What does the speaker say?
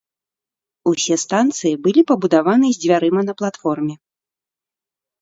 Усе станцыі былі пабудаваны з дзвярыма на платформе.